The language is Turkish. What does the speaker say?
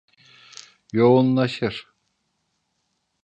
Yoğunlaşır.